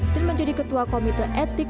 dan menjadi ketua komite etnis